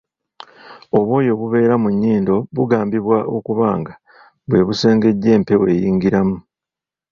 Obwoya obubeera mu nnyindo bugambibwa okuba nga bwe busengejja empewo eyingiramu.